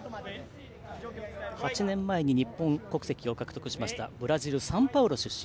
８年前、日本国籍を獲得しましたブラジル・サンパウロ出身。